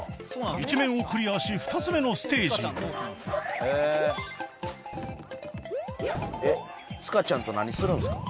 １面をクリアし２つ目のステージへえっ塚ちゃんと何するんすか？